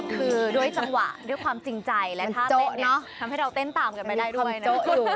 คือด้วยจังหวะด้วยความจริงใจและท่านี้ทำให้เราเต้นตามกันไม่ได้ด้วย